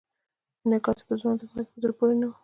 انعکاس یې په ځوانه طبقه کې په زړه پورې نه و.